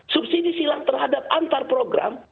subsidi silang terhadap antarprogram